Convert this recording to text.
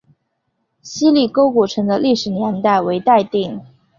希里沟古城的历史年代为待定。